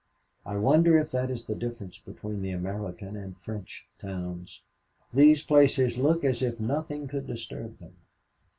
I wonder if that is the difference between the American and French towns. These places look as if nothing could disturb them.